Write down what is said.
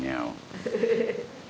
フフフフ。